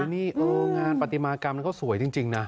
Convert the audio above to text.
โอ้โหงานปฏิมากรรมนั้นก็สวยจริงนะ